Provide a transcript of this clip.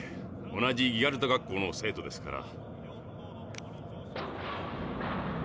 同じ「ギガルト学校」の生徒ですから。